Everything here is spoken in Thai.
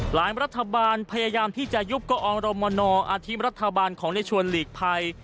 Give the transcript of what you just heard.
หลายรัฐบาลพยายามที่จะยุบกรมนอาทิมรัฐบาลของเลชวนฤทธิ์ภัย